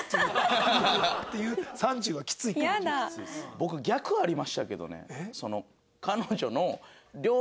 僕逆ありましたけどね。